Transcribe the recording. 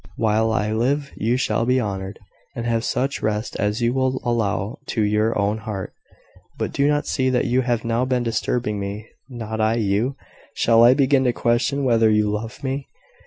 "While I live you shall be honoured, and have such rest as you will allow to your own heart. But do you not see that you have now been distrusting me not I you? Shall I begin to question whether you love me?